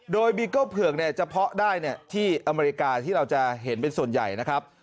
โดยบีเกิ้ลเผือกจะเพาะได้ที่อเมริกาที่เราจะเห็นเป็นส่วนใหญ่นะครับ